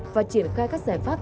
và triển khai các giải pháp